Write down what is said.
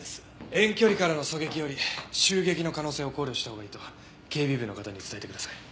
遠距離からの狙撃より襲撃の可能性を考慮したほうがいいと警備部の方に伝えてください。